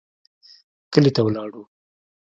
کلي ته ولاړو.